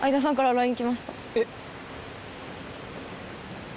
えっ？